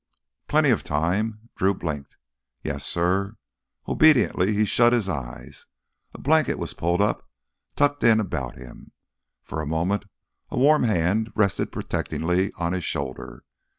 Plenty of time.... Drew blinked. "Yes, suh." Obediently he shut his eyes. A blanket was pulled up, tucked in about him. For a moment a warm hand rested protectingly on his shoulder.